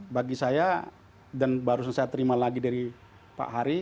bagi saya dan baru saya terima lagi dari pak hari